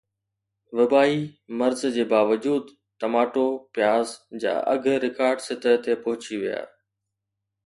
وبائي مرض جي باوجود ٽماٽو پياز جا اگهه رڪارڊ سطح تي پهچي ويا